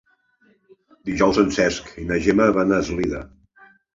Dijous en Cesc i na Gemma van a Eslida.